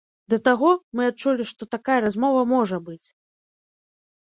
Да таго, мы адчулі, што такая размова можа быць.